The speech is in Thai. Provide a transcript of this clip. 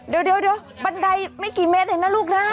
เดี๋ยวบันไดไม่กี่เมตรเองนะลูกนะ